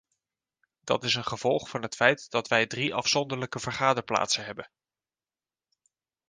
Dat is een gevolg van het feit dat wij drie afzonderlijke vergaderplaatsen hebben.